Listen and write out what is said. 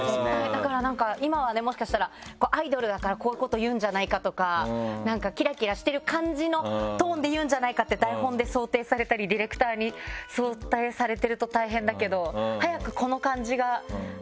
だから今はねもしかしたら「アイドルだからこういうこと言うんじゃないか」とか「キラキラしてる感じのトーンで言うんじゃないか」って台本で想定されたりディレクターに想定されてると大変だけど早くこの感じがね。